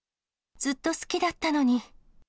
ずっと好きだったのに。